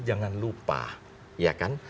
jangan lupa ya kan